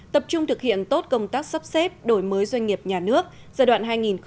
tập trung thực hiện tốt công tác sắp xếp đổi mới doanh nghiệp nhà nước giai đoạn hai nghìn một mươi sáu hai nghìn hai mươi